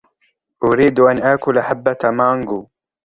أريد أن آكل حبة مانغو.